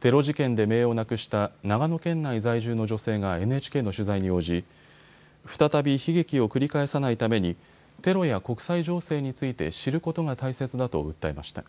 テロ事件でめいを亡くした長野県内在住の女性がＮＨＫの取材に応じ、再び悲劇を繰り返さないためにテロや国際情勢について知ることが大切だと訴えました。